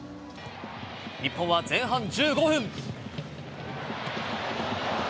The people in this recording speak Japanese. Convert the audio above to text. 日本は前半１５分。